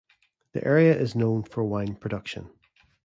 The area is also known for wine production.